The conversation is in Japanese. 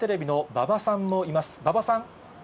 馬場さん。